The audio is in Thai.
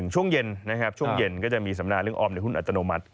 ช่วงเย็นนะครับช่วงเย็นก็จะมีสำนาเรื่องออมในหุ้นอัตโนมัติ